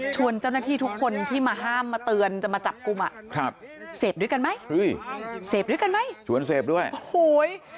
เสพด้วยกันไหมเสพด้วยกันไหมชวนเสพด้วยโอ้โหย